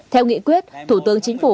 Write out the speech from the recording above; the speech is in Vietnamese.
theo nghị quyết thủ tướng chính phủ